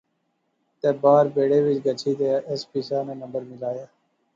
تے باہر بیڑے وچ گچھی تہ ایس پی صاحب ناں نمبر ملایا